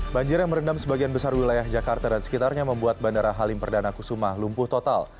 banjir yang merendam sebagian besar wilayah jakarta dan sekitarnya membuat bandara halim perdana kusuma lumpuh total